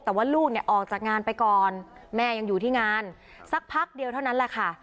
แต่ว่าลูกเนี่ยออกจากงานไปก่อนแม่ยังอยู่ที่งานสักพักเดียวเท่านั้นแหละค่ะ